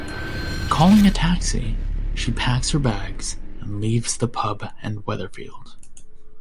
Calling a taxi, she packs her bags, and leaves the pub and Weatherfield.